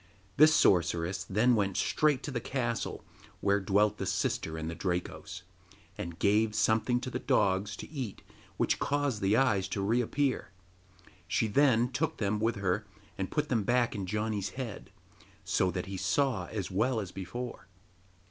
This sorceress then went straight to the castle where dwelt the sister and the Drakos, and gave something to the dogs to eat which caused the eyes to reappear. She took them with her and put them back in Janni's head, so that he saw as well as before.